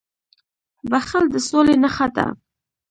• بښل د سولي نښه ده.